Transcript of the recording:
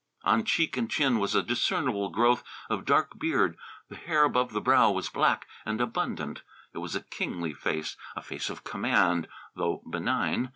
On cheek and chin was a discernible growth of dark beard; the hair above the brow was black and abundant. It was a kingly face, a face of command, though benign.